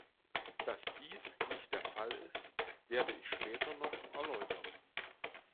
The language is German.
Das dies nicht der Fall ist, werde ich später noch erläutern.